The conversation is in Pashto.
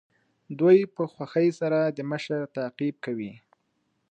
دوی په خوښۍ سره د مشر تعقیب کوي.